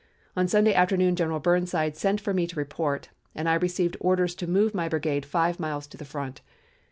On Sunday afternoon General Burnside sent for me to report, and I received orders to move my brigade five miles to the front.